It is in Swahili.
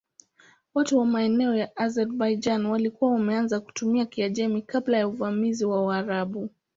Watu wa maeneo ya Azerbaijan walikuwa wameanza kutumia Kiajemi kabla ya uvamizi wa Waarabu.